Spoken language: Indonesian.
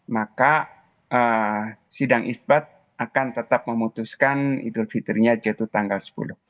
maka sidang isbat akan tetap memutuskan idul fitrinya jatuh tanggal sepuluh